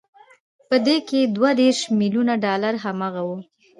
په دې کې دوه دېرش ميليونه ډالر هماغه وو.